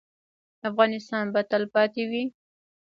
افغانستان به تلپاتې وي؟